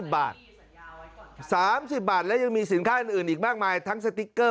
๓๐บาทและยังมีสินค้าอื่นอีกมากมายทั้งสติ๊กเกอร์